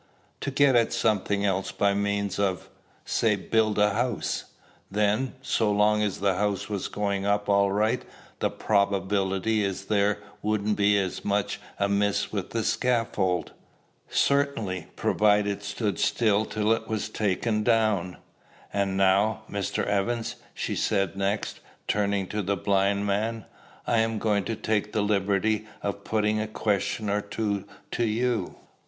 "To get at something else by means of, say build a house." "Then, so long as the house was going up all right, the probability is there wouldn't be much amiss with the scaffold?" "Certainly, provided it stood till it was taken down." "And now, Mr. Evans," she said next, turning to the blind man, "I am going to take the liberty of putting a question or two to you."